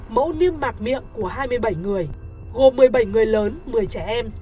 mẫu niêm mạc miệng của hai mươi bảy người gồm một mươi bảy người lớn một mươi trẻ em